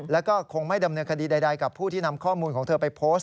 แล้วก็คงไม่ดำเนินคดีใดกับผู้ที่นำข้อมูลของเธอไปโพสต์